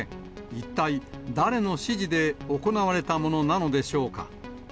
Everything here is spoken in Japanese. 一体誰の指示で行われたものなのでしょうか。